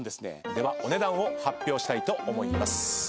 ではお値段を発表したいと思います。